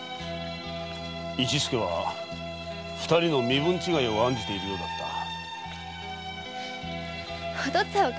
市助は二人の身分違いを案じているようだった。